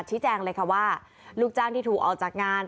แจ้งเลยค่ะว่าลูกจ้างที่ถูกออกจากงาน